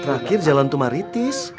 terakhir jalan tumaritis